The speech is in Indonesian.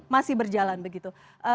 masih berjalan begitu